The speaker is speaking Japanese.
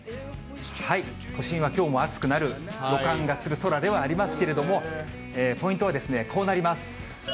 都心はきょうも暑くなる予感がする空ではありますけれども、ポイントはこうなります。